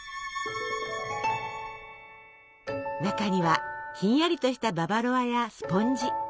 中にはひんやりとしたババロアやスポンジ。